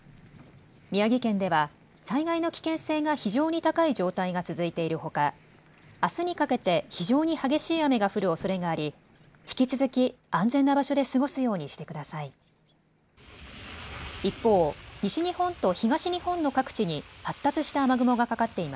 宮城県では災害の危険性が非常に高い状態が続いているほかあすにかけて非常に激しい雨が降るおそれがあり引き続き安全な場所で過ごすようにしてください。